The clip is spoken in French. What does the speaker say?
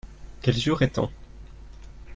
Quel jour est-on ?